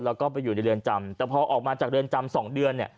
แล้วก็ไปอยู่ในเรือนจำแต่พอออกมาจากเรือนจำสองเดือนเนี่ย